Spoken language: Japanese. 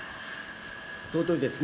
そのとおりですね。